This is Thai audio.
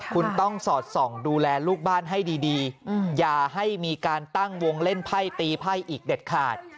คุณต้องสอดส่องดูแลลูกบ้านให้ดีอย่าให้มีการตั้งวงเล่นไพ่ตีไพ่ออีกเด็ดขาด